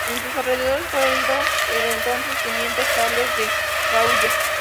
En sus alrededores fue herido el entonces teniente Charles de Gaulle.